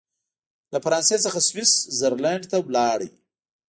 له فرانسې څخه سویس زرلینډ ته ولاړ.